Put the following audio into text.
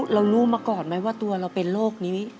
เรารู้มาก่อนไหมว่าตัวเราเป็นโรคนี้